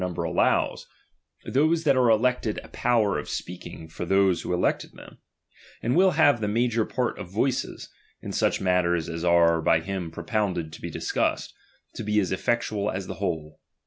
91 mmber allows those that are elected a power of chap, ' speaking for those who elected them ; and will .p|^~T' iiave the major part of voices, in such matters as p'™^ i«w« ^are by him propounded to be discussed, to be {^ be iiiisoiveii ^2ffectual as the whole.